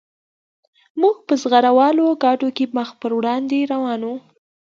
موږ په زغره والو ګاډو کې مخ په وړاندې روان وو